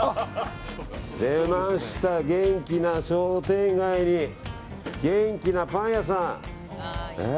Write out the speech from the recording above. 出ました、元気な商店街に元気なパン屋さん。